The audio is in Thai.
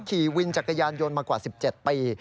ขี่วินจักรยานยนต์มากว่า๑๗ปี